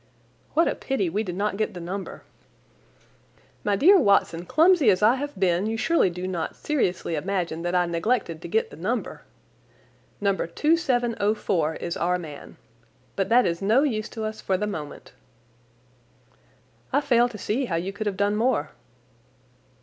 "What a pity we did not get the number!" "My dear Watson, clumsy as I have been, you surely do not seriously imagine that I neglected to get the number? No. 2704 is our man. But that is no use to us for the moment." "I fail to see how you could have done more."